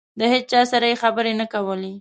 د هېچا سره یې خبرې نه کولې.